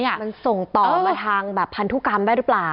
มันส่งต่อมาทางแบบพันธุกรรมได้หรือเปล่า